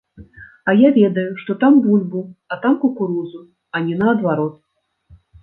А я ведаю, што там бульбу, а там кукурузу, а не наадварот!